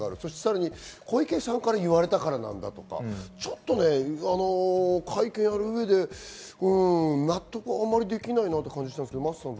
さらに小池さんから言われたからなんだとか、ちょっと会見をやる上で納得ができないなと感じたんですけど。